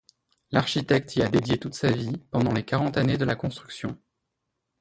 L’architecte y a dédié toute sa vie pendant les quarante années de la construction.